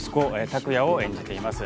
拓哉を演じています